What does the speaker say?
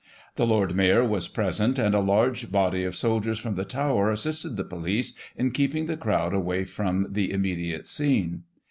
The Lord Mayor was present, and a large body of soldiers from the Tower assisted the Police in keeping the crowd away from the immediate scene.